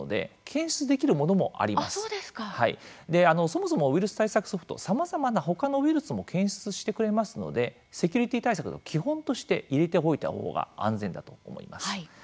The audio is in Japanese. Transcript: そもそもウイルス対策ソフトさまざまなほかのウイルスも検出してくれますのでセキュリティー対策の基本として入れておいた方が安全だと思います。